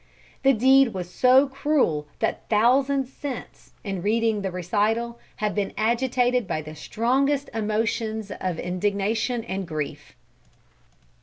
The deed was so cruel that thousands since, in reading the recital, have been agitated by the strongest emotions of indignation and grief.